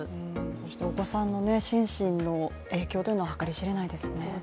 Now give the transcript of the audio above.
そしてお子さんの心身の影響は計り知れないですね。